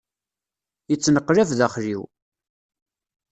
yettneqlab daxxel-iw.